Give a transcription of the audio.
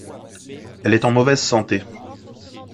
Elle est en mauvaise santé.